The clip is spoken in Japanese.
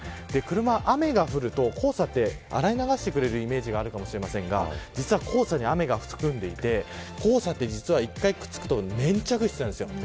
雨が降ると黄砂は洗い流してくれるイメージがあるかもしれませんが黄砂に雨が含まれていて一回くっつくと粘着性があるんです。